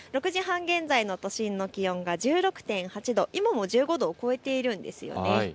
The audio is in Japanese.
６時半現在の都心の気温は１６．８度、今も１５度を超えているんです。